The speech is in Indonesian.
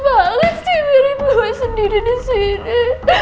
banget sih mirip gue sendiri disini